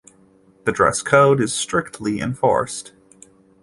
The dress code is strictly enforced.